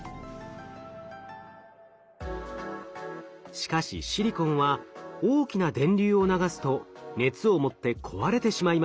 しかしシリコンは大きな電流を流すと熱を持って壊れてしまいます。